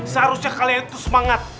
seharusnya kalian itu semangat